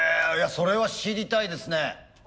それは知りたいですね。